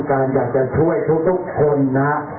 สวัสดีครับสวัสดีครับ